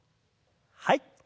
はい。